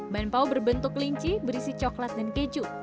ban pao berbentuk kelinci berisi coklat dan keju